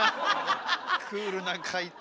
クールな解答。